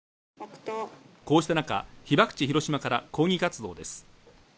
こうした中、被爆地ヒロシマから抗議活動です。